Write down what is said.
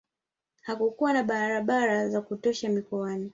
hakukuwa na barabara za kutosha mikoani